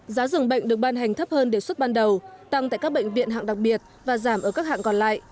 giá dường bệnh được ban hành thấp hơn đề xuất ban đầu tăng tại các bệnh viện hạng đặc biệt và giảm ở các hạng còn lại